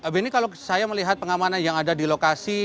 benny kalau saya melihat pengamanan yang ada di lokasi